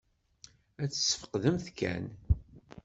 Ad tesfeqdemt kan.